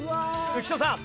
浮所さん。